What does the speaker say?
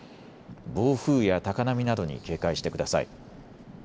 暴風や高波などに警戒してください。